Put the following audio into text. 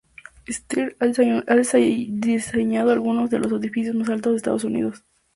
Stern ha diseñado algunos de los edificios más altos de los Estados Unidos.